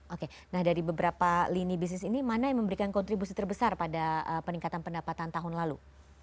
oke nah dari beberapa lini bisnis ini mana yang memberikan kontribusi terbesar pada peningkatan pendapatan tahun lalu